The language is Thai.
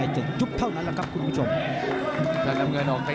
ชักเล็ก